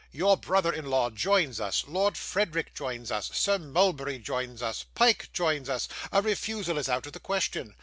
Your brother in law joins us, Lord Frederick joins us, Sir Mulberry joins us, Pyke joins us a refusal is out of the question.